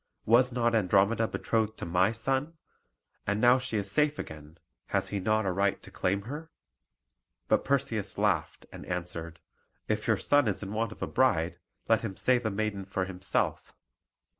Was not Andromeda betrothed to my son? And now she is safe again, has he not a right to claim her?" But Perseus laughed, and answered: "If your son is in want of a bride, let him save a maiden for himself."